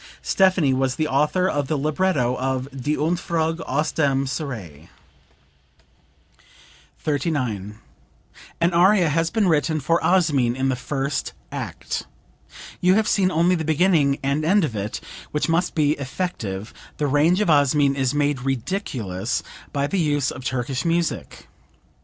Stephanie was the author of the libretto of "Die Entfuhrung aus dem Serail.") 39. "An aria has been written for Osmin in the first act....You have seen only the beginning and end of it, which must be effective; the rage of Osmin is made ridiculous by the use of Turkish music.